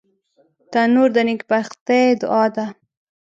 تنور د نیکبختۍ دعا ده